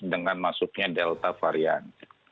dengan masuknya delta varian